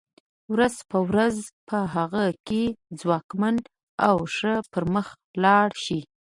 ورځ په ورځ په هغه کې ځواکمن او ښه پرمخ لاړ شي.